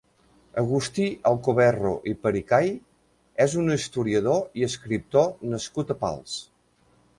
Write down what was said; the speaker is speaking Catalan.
Agustí Alcoberro i Pericay és un historiador i escriptor nascut a Pals.